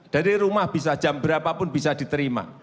dari rumah bisa jam berapa pun bisa diterima